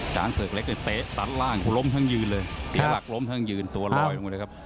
เผือกเล็กเนี่ยเป๊ะตัดล่างกูล้มทั้งยืนเลยเสียหลักล้มทั้งยืนตัวลอยลงมาเลยครับ